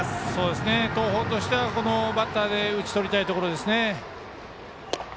東邦としてはこのバッターで打ち取りたいところです。